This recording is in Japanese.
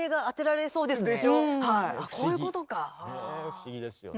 ねえ不思議ですよね。